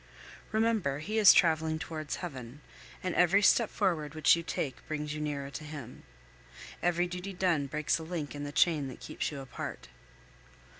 Remember, he is traveling towards Heaven, and every step forward which you take brings you nearer to him. Every duty done breaks a link in the chain that keeps you apart.